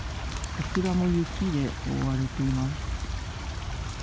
こちらも雪で覆われています。